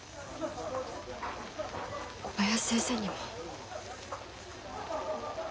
小林先生にも。